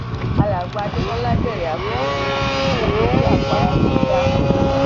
Alàgbà Adémọ́lá bèèrè àforíjì nítorí àpàrá tó ń dá